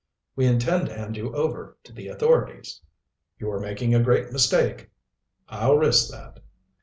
"We intend to hand you over to the authorities." "You are making a great mistake." "I'll risk that."